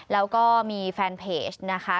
แล้วก็มีแฟนเพจนะคะ